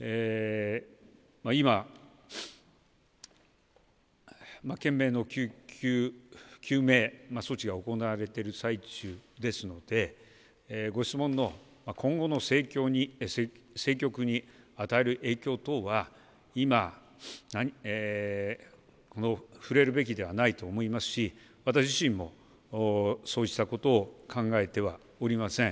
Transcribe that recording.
今、懸命の救急、救命措置が行われている最中ですのでご質問の今後の政局に与える影響等は今、触れるべきではないと思いますし私自身も、そうしたことを考えてはおりません。